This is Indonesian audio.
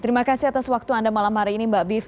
terima kasih atas waktu anda malam hari ini mbak biv